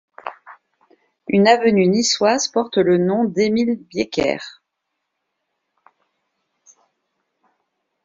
Une avenue niçoise porte le nom d'Émile Bieckert.